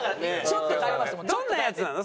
どんなやつなの？